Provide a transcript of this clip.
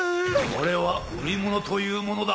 これは売り物というものだ。